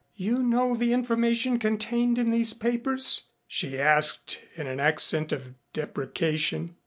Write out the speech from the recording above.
"You know the information contained in these papers?" she asked in an accent of deprecation.